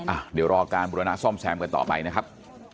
อ่ะเดี๋ยวรอการบุรณาซ่อมแซมกันต่อไปนะครับ